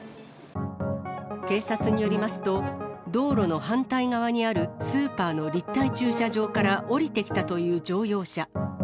警察によりますと、道路の反対側にあるスーパーの立体駐車場から降りてきたという乗用車。